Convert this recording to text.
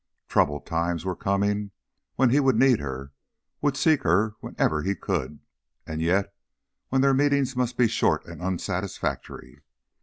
Troubled times were coming when he would need her, would seek her whenever he could, and yet when their meetings must be short and unsatisfactory.